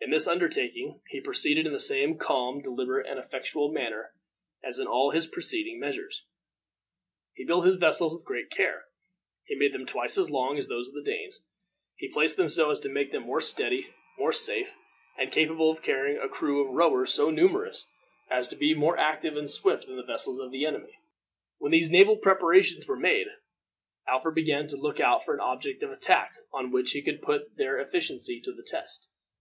In this undertaking, he proceeded in the same calm, deliberate, and effectual manner, as in all his preceding measures. He built his vessels with great care. He made them twice as long as those of the Danes, and planned them so as to make them more steady, more safe, and capable of carrying a crew of rowers so numerous as to be more active and swift than the vessels of the enemy. When these naval preparations were made, Alfred began to look out for an object of attack on which he could put their efficiency to the test.